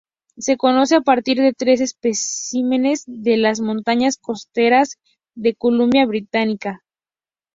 Se conoce a partir de tres especímenes de las Montañas Costeras de Columbia Británica.